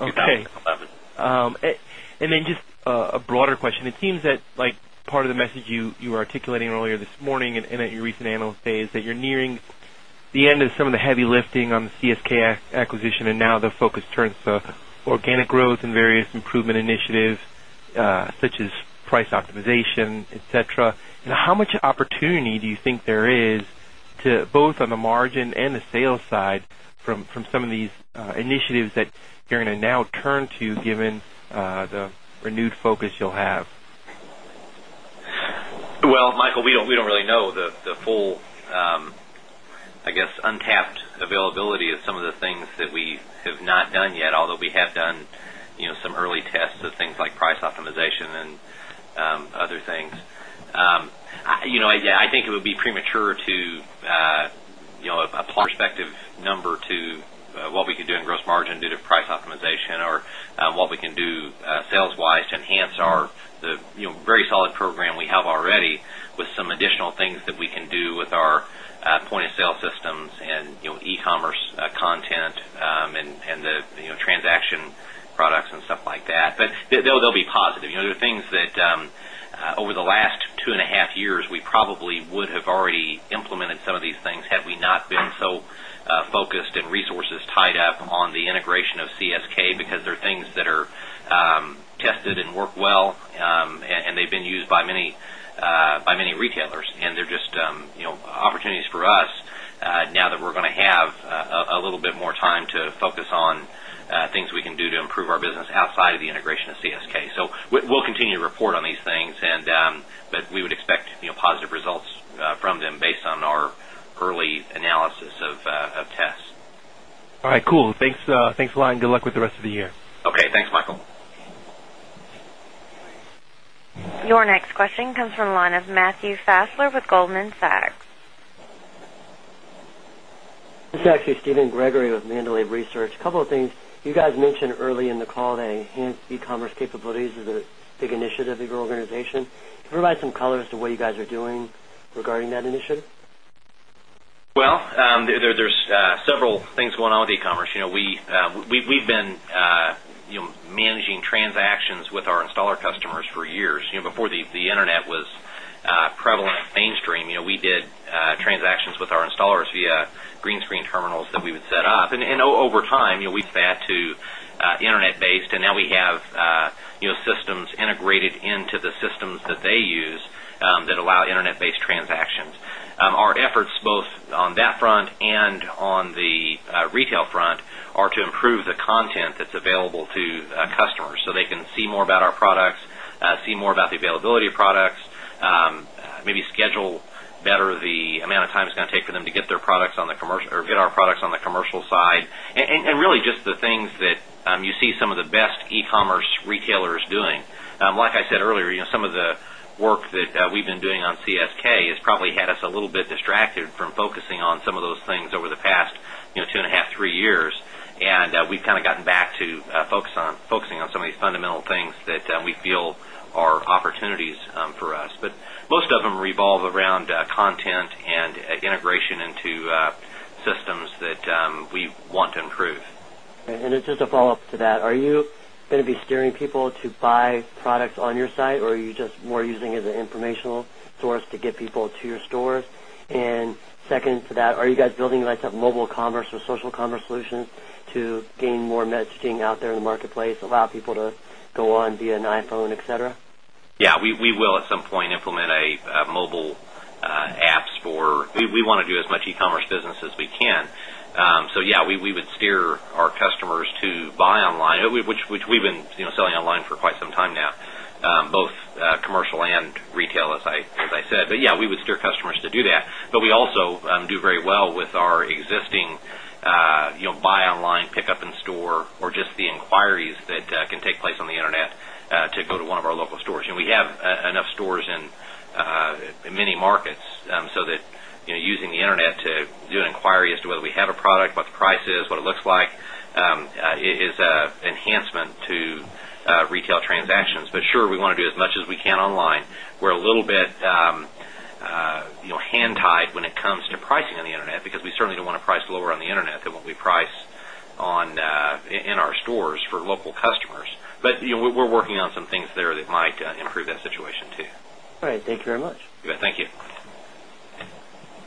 2011. Okay. And then just a broader question, it seems that like part of the message you were articulating earlier this morning and at your recent Analyst Day is that you're nearing the end of some of the heavy lifting on the CSK acquisition and now the focus turns to organic growth and various improvement initiatives such as price optimization, etcetera? And how much opportunity do you think there is to both on the margin and the sales side from some of these initiatives that you're going to now turn to given the renewed focus you'll have? Well, Michael, we don't really know the full, I guess, untapped availability of some of the things that we have not done yet, although we have done some early tests of things like price optimization and other things. I think it would be premature to a prospective number to what we could do in gross margin due to price optimization or what we can do sales wise to enhance our the optimization or what we can do sales wise to enhance our very solid program we have already with some additional things that we can do with our point of sale systems and e commerce content, and the transaction products and stuff like that. But they'll be positive. There are things that over the last two and a half years, we probably would have already implemented some of these things had we not been so focused and resources tied up on the integration of CSK because they're things that are tested and work well and they've been used by many retailers and they're just opportunities for us now that we're going to have a little bit more time to focus on things we can do to improve our business outside of the integration of CSK. So we'll continue to report on these things and but we would expect positive results from them based on our early analysis of tests. All right, cool. Thanks a lot and good luck with the rest of the year. Okay. Thanks, Michael. Your next question comes from the line of Matthew Fassler with Goldman Sachs. It's actually Stephen Gregory with Mandalay Research. A couple of things, you guys mentioned early in the call that enhance e commerce capabilities is a big initiative of your organization. Can you provide some color as to what you guys are doing regarding that initiative? Well, there is several things going on with e commerce. We've been managing transactions with our installer customers for years. Before the Internet was prevalent mainstream, we did transactions with our installers via green screen terminals that we would set up. And over time, we've had to Internet based, and now we have systems integrated into the systems that they use that allow Internet based transactions. Our efforts, both on that front and on the retail front, are to improve the content that's available to customers, so they can see more about our products, see more about the availability of products, maybe schedule better the amount of time it's going take for them to get their products on the commercial or get our products on the commercial side. And really just the things that you see some of the best e commerce retailers doing. Like I said earlier, some of the work that we've been doing on CSK has probably had us a little bit distracted from focusing on some of those things over the past 2.5, 3 years. And we've kind of gotten back to focusing on some of these fundamental things that we feel are opportunities for us. But most of them revolve around content and integration into systems that we want to improve. And then just a follow-up to that. Are you going to be steering people to buy products on your site or are you just more using as an informational source to get people to your stores? And second to that, are you guys building like a mobile commerce or social commerce solution to gain more messaging out there in the marketplace, allow people to go on via an iPhone, etcetera? Yes. We will at some point implement a mobile apps for we want to do as much e commerce business as we can. So yes, we would steer our customers to buy online, which we've been selling online for quite some time now, both commercial and retail, as I said. But yes, we would steer customers to do that. But we also do very well with our existing buy online, pick up in store or just the inquiries that can take place on the Internet to go to one of our local stores. And we have enough stores in many markets so that using the Internet to do an inquiry as to whether we have a product, what the price is, what it looks like is enhancement to retail transactions. But sure, we want to do as much as we can online. We're a little bit hand tied when it comes to pricing on the Internet because we certainly don't want to price lower on the Internet than what we price on in our stores for local customers. But we're working on some things there that might improve that situation too. All right. Thank you very much. You bet. Thank you.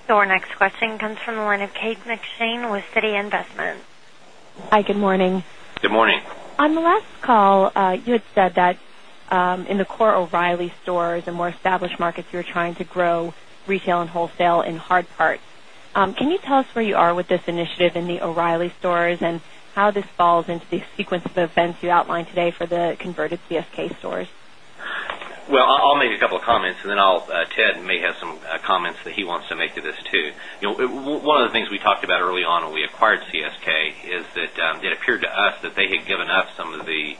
Your next question comes from the line of Kate McShane with Citi Investments. Hi, good morning. Good morning. On the last call, you had said that in the core O'Reilly stores and more established markets, you're trying to grow retail and wholesale in hard parts. Can you tell us where you are with this initiative in the O'Reilly stores and how this falls in the sequence of events you outlined today for the converted CSK stores? Well, I'll make a couple of comments and then I'll Ted may have some comments that he wants to make to this too. One of the things we talked about early on when we acquired CSK is that it appeared to us that they had given us some of the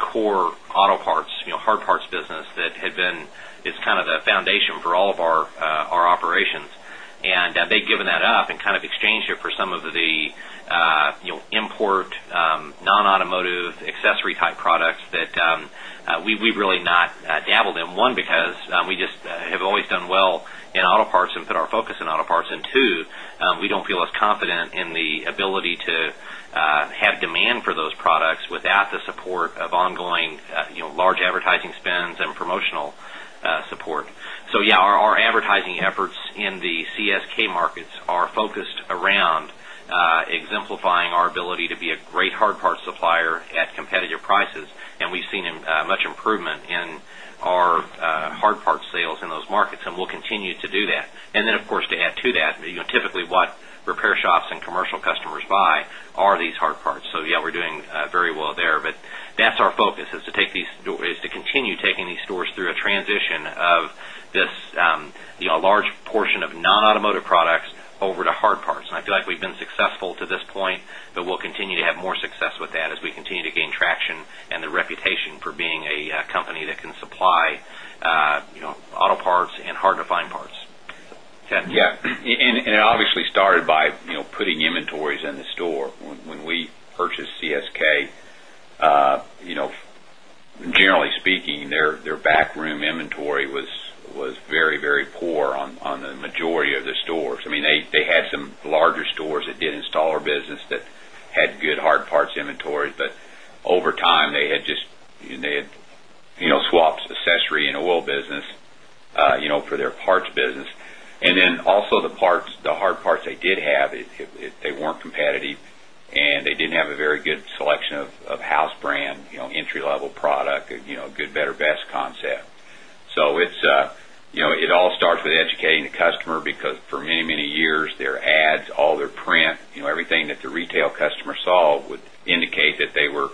core auto parts, hard parts business that had been is kind of the foundation for all of our operations. And they've given that up and kind of exchanged it for some of the import nonautomotive accessory type products that we've really not dabbled in. 1, because we just have always done well in auto parts and put our focus in auto parts and 2, we don't feel as confident in the ability to have demand for those products without the support of ongoing large competitive prices. And we've seen ability to be a great hard part supplier at competitive prices, and we've seen much improvement in our hard part sales in those markets, and we'll continue to do that. And then, of course, to add to that, typically what repair shops and commercial customers buy are these hard parts. So yes, we're doing very well there. But that's our focus is to take these is to continue taking these stores through a transition of this large portion of nonautomotive products over to hard parts. And I feel like we've been successful to this point, but we'll continue to have more success obviously started by putting inventories in the store. When it obviously started by putting inventories in the store. When we purchased CSK, generally speaking, their backroom inventory was very, very poor on the majority of the stores. I mean, they had some larger stores that did installer business that had good hard parts inventory, but over time they had just swapped accessory and oil business for their parts business. And then also the parts, the hard parts they did have, they weren't competitive and they didn't have a very good selection of house brand, entry level product, good, better, best concept. So it all starts with educating the customer because for many, many years, their ads, all with educating the customer because for many, many years their ads, all their print, everything that the retail customer saw would indicate that they were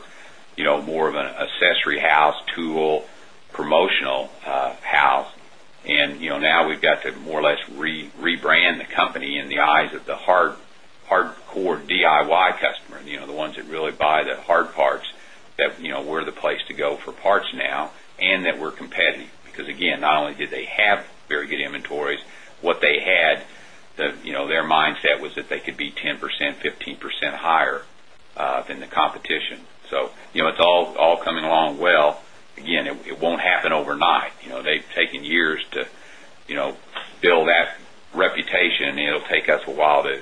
more of an accessory house, tool, promotional house, and now we've got to more or less rebrand the company in the eyes of the hardcore DIY customer, the ones that really buy the hard parts that we're the place to go for parts now and that we're competitive, because again, not only did they have very good inventories, what they had, their mindset was that they could be 10%, 15% higher than the competition. So it's all coming along well. Again, it won't happen overnight. They've taken years to build that reputation. It will take us a while to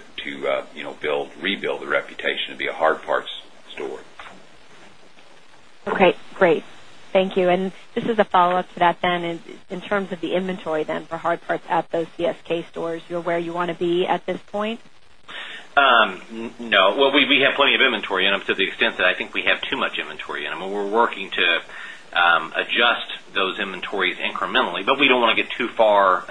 build rebuild the reputation to be a hard parts store. Okay, great. Thank you. And just as a follow-up to that then, in terms of the inventory then for hard parts at those CSK stores, you're where you want to be at this point? No. Well, we have plenty of inventory and to the extent that I think we have too much inventory. And I mean, we're working to adjust those inventories incrementally, but we don't want to get too far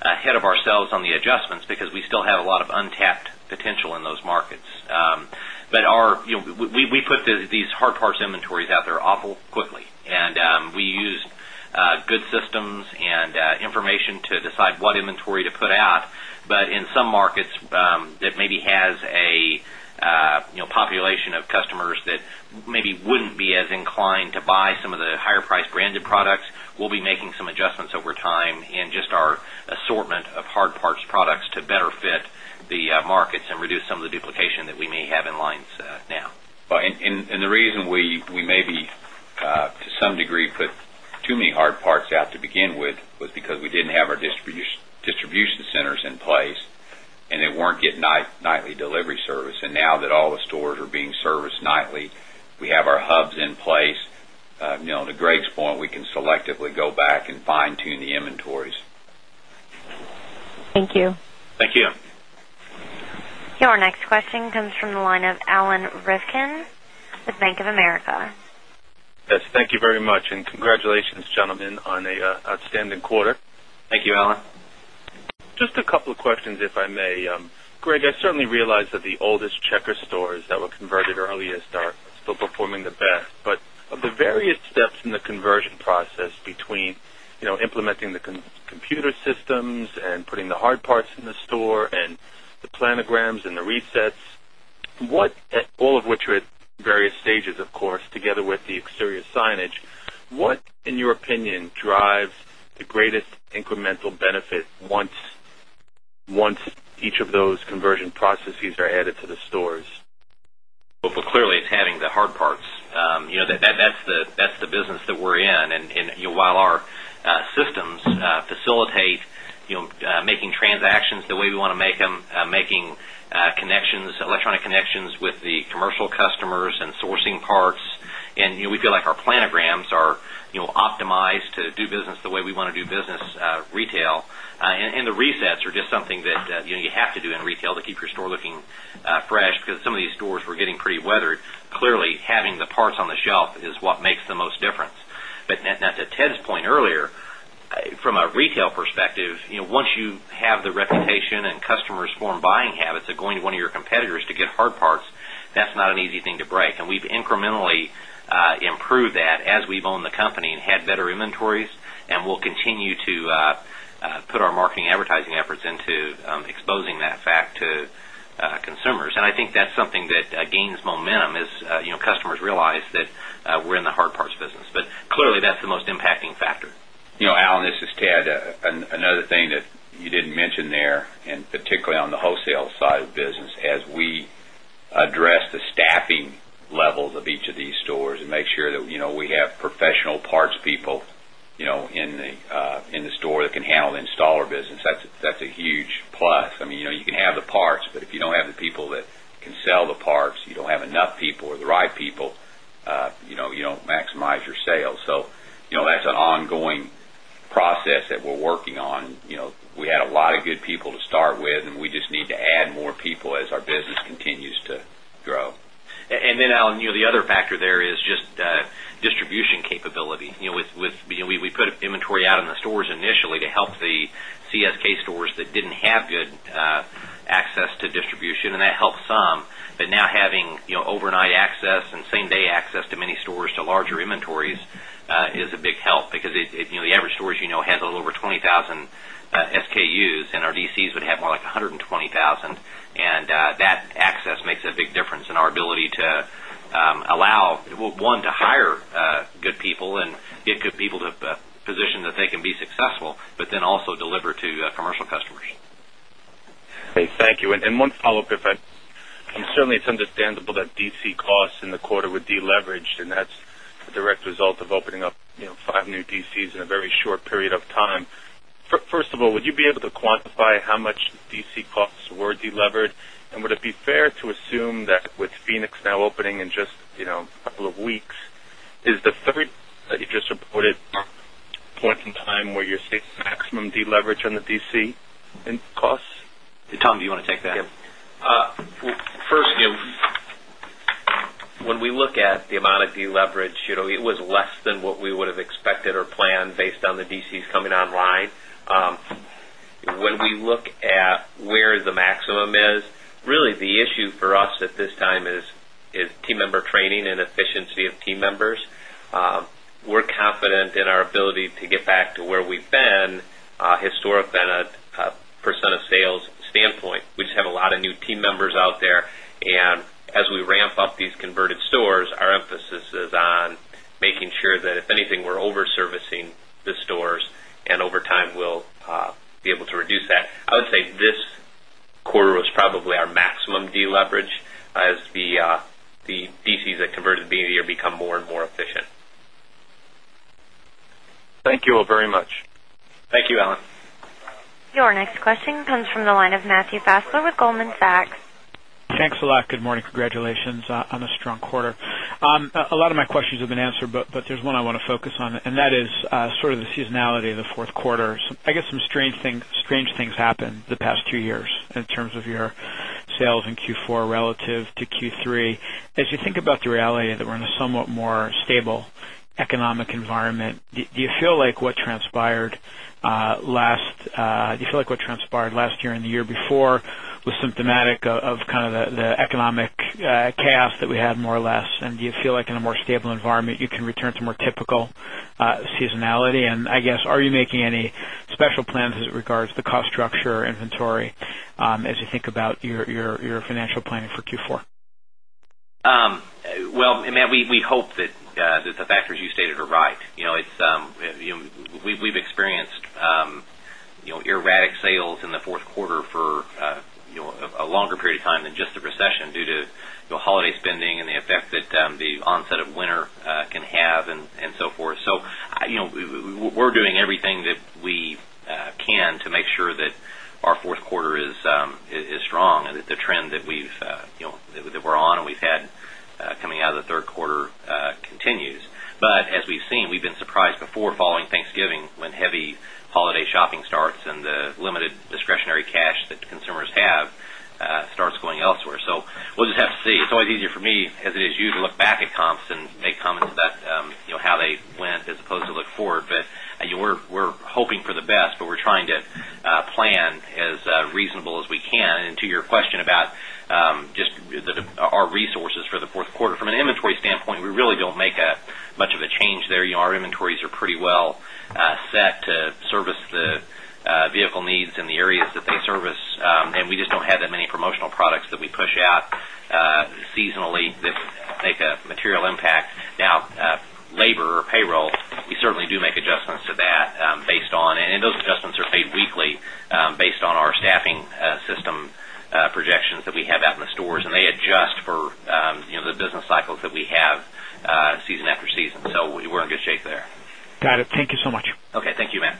ahead of ourselves on the adjustments because we still have a lot of untapped potential in those markets. But we put these hard parts inventories out there awful quickly. And we use good systems and information to decide what inventory to put out. But in some markets, that maybe has a population of customers that maybe wouldn't be as inclined to buy some of the higher priced branded products, we'll be making some adjustments over time in just our assortment of hard parts products to better fit the markets and reduce some of the duplication that we may have in lines now. And the reason we may be to some degree put too many hard parts out to begin with was because we didn't have our distribution centers in place and they weren't getting nightly delivery service. And now that all the stores are being serviced nightly, we have our hubs in place. To Greg's point, we can selectively go back and fine tune the inventories. Thank you. Thank you. Your next question comes from the line of Alan Rifkin with Bank of America. Yes. Thank you very much and congratulations gentlemen on an outstanding quarter. Thank you, Alan. Just a couple of questions if I may. Greg, I certainly realize that the oldest Checkers stores that were converted earliest are still performing the best. But of the various steps in the conversion process between implementing the computer systems and putting the hard parts in the store and the planograms and the resets, what all of which are at various stages, of course, together with the exterior signage, what in your opinion drives the greatest incremental benefit once each of those conversion processes are added to the stores? Well, clearly, it's having the hard parts. That's the business that we're in. And while our systems facilitate making transactions the way we want to make them, making connections, electronic connections with the commercial customers and sourcing parts, and we feel like our planograms are optimized to do business the way we want to do business retail. And the resets are just something that you have to do in retail to keep your store looking fresh because some of these stores were getting pretty weathered. Clearly, having the parts on the shelf is what makes the most difference. But improved that as we've owned the company and had better inventories, and we'll continue to put our marketing advertising efforts into exposing that fact to consumers. And I think that's something that gains momentum as customers realize that we're in the hard parts business. But clearly, that's the most impacting factor. Alan, this is Ted. Another thing that you didn't mention there and particularly on the wholesale side of business, as we address the staffing levels of each of people that can sell the parts, you don't have enough people or the right people, don't have the people that can sell the parts, you don't have enough people or the right people, you don't maximize your sales. So that's an ongoing process that we're working on. We had a lot of good people to start with and we just need to add more people as our business continues to grow. And then, Alan, the other factor there is just distribution capability. We put inventory out in the stores initially to help the CSK stores that didn't have good access to distribution and that helped some, but now having overnight access and same day access to many stores to larger inventories is a big help because the average stores you know has a little over 20,000 SKUs and our DCs would have more like 120,000 and that access makes a big difference in our ability to allow, 1, to hire good people and get good people to position that they can be successful, but then also deliver to commercial customers. Okay. Thank you. And one follow-up, if I and certainly it's understandable that DC costs in the quarter would deleverage and that's a direct result of opening up 5 new DCs in a very short period of time. First of all, would you be able to quantify how much DC costs were delevered? And would it be fair to assume that with Phoenix now opening in just a couple of weeks, is the 3rd you just reported point in time where you're seeing maximum deleverage on the DC and costs? Tom, do you want to take that? Yes. First, when we look at the amount of deleverage, it was less than what we would have expected or planned based on the DCs coming online. When we look at where the maximum is, really the issue for us at this time is team training and efficiency of team members. We're confident in our ability to get back to where we've been historically in a percent of sales standpoint. We just have a lot of new team members out there. And as we ramp up these converted stores, our emphasis is on making sure that if anything we're over servicing the stores and over time we'll be able to reduce that. I would say this quarter was probably our maximum deleverage as the DCs that converted B of the year become more and more efficient. Thank you all very much. Thank you, Alan. Your next question comes from the line of Matthew Fassler with Goldman Sachs. Thanks a lot. Good morning. Congratulations on a strong quarter. A lot of my questions have been answered, but there's one I want to focus on and that is sort of the seasonality of the 4th quarters. I guess some strange things happened the past 2 years in terms of your sales in Q4 relative to Q3. As you think about the reality that we're in a somewhat more stable economic environment, do you feel like what transpired last year and the year before was symptomatic of kind of the economic chaos that we had more or less? And do you feel like in a more stable environment you can return to more typical seasonality? And I guess are you making any special plans as it regards the cost structure inventory as you think about your financial planning for Q4? Well, Matt, we hope that the factors you stated are right. We've experienced erratic sales in the 4th quarter for erratic sales in the Q4 for a longer period of time than just the recession due to holiday spending and the effect that the onset of winter can have and so forth. So we're doing everything that we can to make sure that our Q4 is strong and that the trend that we've that we're on and we've had coming out of the Q3 continues. But as we've seen, we've been surprised before following Thanksgiving when heavy holiday shopping starts and the limited discretionary cash that consumers have starts going elsewhere. So we'll just have to see. It's always easier for me as it is you to look back at comps and make comments about how they went as opposed to look forward. But we're hoping for the best, but we're trying to plan as reasonable as we can. And to your question about just our resources for the Q4, from an inventory standpoint, we really don't make much of a change there. Our inventories are pretty well set to service the vehicle needs in the areas that they service, and we just don't that many promotional products that we push out seasonally that make a material impact. Now labor or payroll, we certainly do make adjustments to that based on and those adjustments are paid weekly on our staffing system projections that we have out in the stores and they adjust for the business cycles that we have season after season. So we're in good shape there. Got it. Thank you so much. Okay. Thank you, Matt.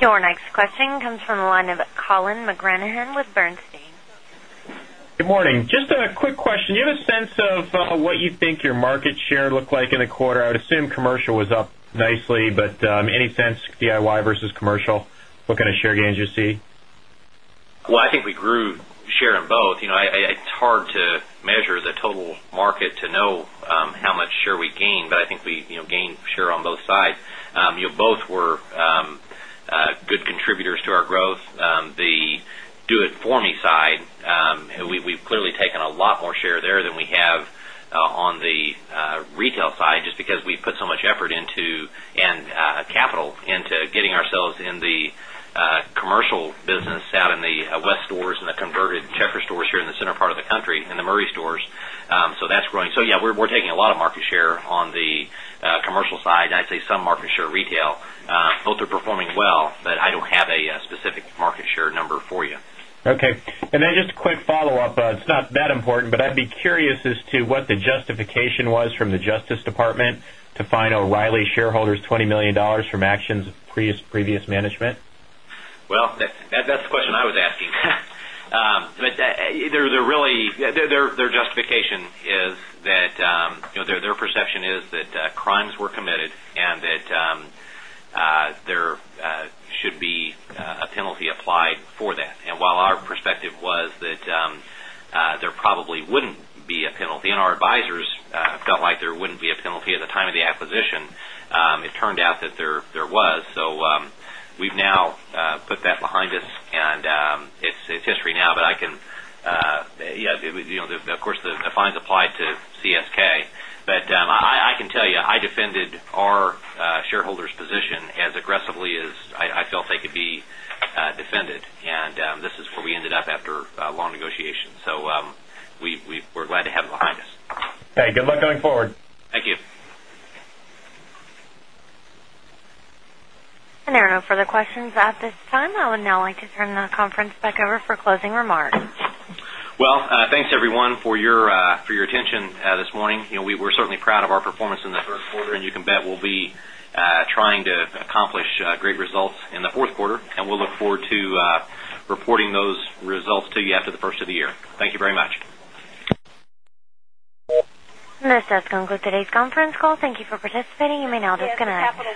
Your next question comes from the line of Colin McGranahan with Bernstein. Good morning. Just a quick question. Do you have a sense of what you think your market share looked like in the quarter? I would assume commercial was up nicely, but any sense DIY versus commercial? What kind of share gains you see? Well, I think we grew share in both. It's hard to measure the total market to know how much share we gained, but I think we gained share on both sides. Both were good contributors to our growth. The do it for me side, we've clearly taken a lot more share there than we have on the retail side just because we put so much effort into and West stores and the converted Checkers stores here in the center part of the country and the Murray stores. So that's growing. So yes, we're taking a lot of market share on the commercial side. I'd say some market share retail. Both are performing well, but I don't have a specific market share number for you. Okay. And then just a quick follow-up. It's not that important, but I'd be curious as to what the justification was from the Justice Department to find O'Reilly shareholders $20,000,000 from actions of previous management? Well, that's the question I was asking. But there is a really their justification is that their perception is that crimes were committed and that there should be a penalty applied for that. And while our perspective was that there probably wouldn't be a penalty and our advisors felt like there wouldn't be a penalty at the time of the acquisition. It turned out that there was. So, we've now put that behind us and it's history now, but I can yes, of course, the fines apply to CSK. But I can tell you, I defended our shareholders' position as aggressively as I felt they could be defended. And this is where we ended up after long negotiations. So we're glad to have him behind us. Okay. Good luck going forward. Thank you. And there are no further questions at this time. I would now like to turn the conference back over for closing remarks. Well, thanks everyone for your attention this morning. We're certainly proud of our performance in the Q3 and you can bet we'll be trying to accomplish great results in the Q4 and we'll look forward to reporting those results to you after the 1st of the year. Thank you very much. This does conclude today's conference call. Thank you for participating. You may now disconnect.